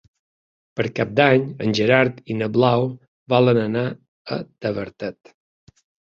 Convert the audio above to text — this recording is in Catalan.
Per Cap d'Any en Gerard i na Blau volen anar a Tavertet.